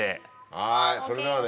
はいそれではね。